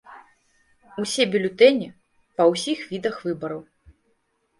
Усе бюлетэні, па ўсіх відах выбараў.